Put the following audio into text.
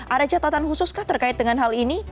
ada catatan khusus kah terkait dengan hal ini